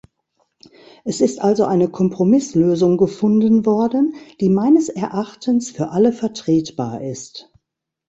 Es ist also eine Kompromisslösung gefunden worden, die meines Erachtens für alle vertretbar ist.